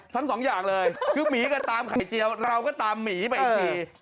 ทั้งสองอย่างเลยคือหมีก็ตามไข่เจียวเราก็ตามหมีไปอีกที